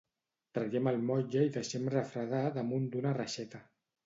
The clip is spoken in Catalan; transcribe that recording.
Traiem el motlle i deixem refredar damunt d'una reixeta.